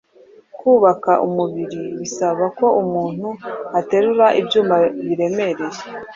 Kubaka umubiri bisaba ko umuntu aterura ibyuma biremereye